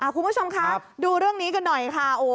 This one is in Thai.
คุณผู้ชมครับดูเรื่องนี้กันหน่อยค่ะ